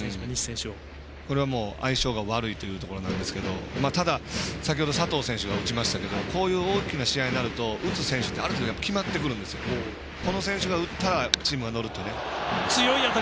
これはもう相性が悪いというところなんですけどただ、先ほど、佐藤選手が打ちましたけど大きな試合になると打つ選手ってある程度決まってくるんですがこの選手が打ったらチームが乗るというね。